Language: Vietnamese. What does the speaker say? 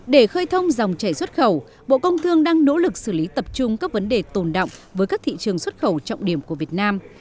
để khơi thông dòng chảy xuất khẩu bộ công thương đang nỗ lực xử lý tập trung các vấn đề tồn động với các thị trường xuất khẩu trọng điểm của việt nam